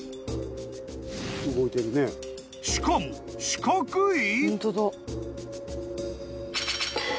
［しかも四角い？］